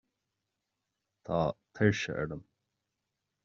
tá turse orm